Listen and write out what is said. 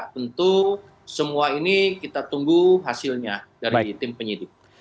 tentu semua ini kita tunggu hasilnya dari tim penyidik